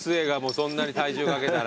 そんなに体重かけたら。